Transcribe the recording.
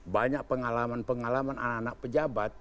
banyak pengalaman pengalaman anak anak pejabat